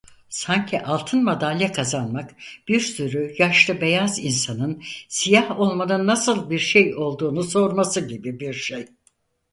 Sanki altın madalya kazanmak bir sürü yaşlı beyaz insanın siyah olmanın nasıl bir şey olduğunu sorması gibi bir şey.